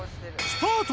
スタート！